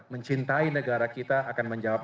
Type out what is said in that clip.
mencintai negara kita akan menjawab